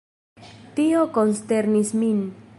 Tio konsternis min.